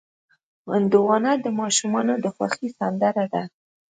هندوانه د ماشومانو د خوښې سندره ده.